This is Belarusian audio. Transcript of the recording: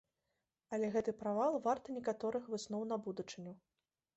Але гэты правал варты некаторых высноў на будучыню.